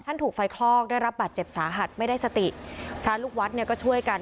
ถูกไฟคลอกได้รับบาดเจ็บสาหัสไม่ได้สติพระลูกวัดเนี่ยก็ช่วยกัน